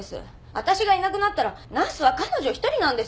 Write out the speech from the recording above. わたしがいなくなったらナースは彼女一人なんですよ。